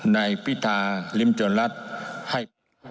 ในพิธาริมจรรย์รัฐให้